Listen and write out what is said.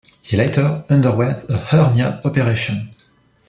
He later underwent a hernia operation.